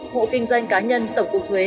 hộ kinh doanh cá nhân tổng cục thuế